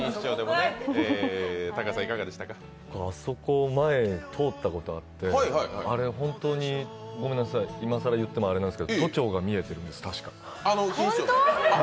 あそこ、前を通ったことがあって、あれ、本当にごめんなさい今さら言ってもあれなんですけど都庁が見えてるんです、確かに。